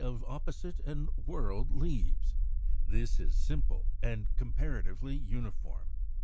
=Phyllotaxy of Opposite and whorled Leaves.= This is simple and comparatively uniform.